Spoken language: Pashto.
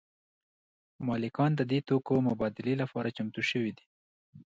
مالکان د دې توکو مبادلې لپاره چمتو شوي دي